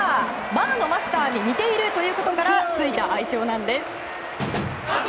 バーのマスターに似ているということからついた愛称なんです。